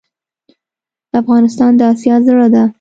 افغانستان د آسیا زړه ده.